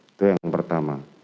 itu yang pertama